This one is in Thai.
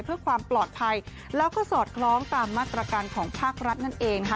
เพื่อความปลอดภัยแล้วก็สอดคล้องตามมาตรการของภาครัฐนั่นเองนะคะ